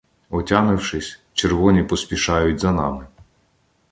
Отямившись, червоні поспішають за нами.